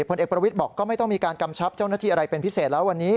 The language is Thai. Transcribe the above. ผลเอกประวิทย์บอกก็ไม่ต้องมีการกำชับเจ้าหน้าที่อะไรเป็นพิเศษแล้ววันนี้